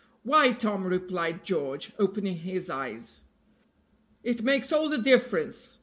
"Why, Tom," replied George, opening his eyes, "it makes all the difference.